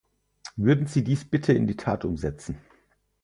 Würden Sie dies bitte in die Tat umsetzen.